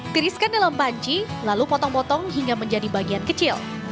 tiriskan dalam panci lalu potong potong hingga menjadi bagian kecil